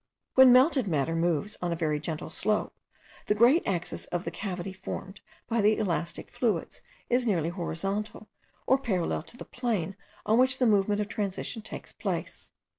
When melted matter moves on a very gentle slope, the great axis of the cavity formed by the elastic fluids is nearly horizontal, or parallel to the plane on which the movement of transition takes place.